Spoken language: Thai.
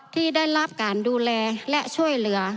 ที่ได้รับการดูแลและช่วยเหลือ